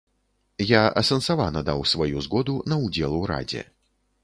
Я асэнсавана даў сваю згоду на ўдзел у радзе.